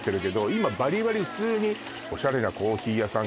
今バリバリ普通にオシャレなコーヒー屋さん